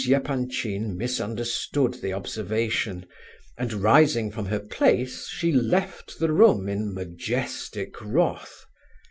Epanchin misunderstood the observation, and rising from her place she left the room in majestic wrath.